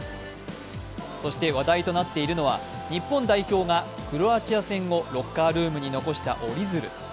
そして、話題となっているのは日本代表がクロアチア戦後、ロッカールームに残した折り鶴。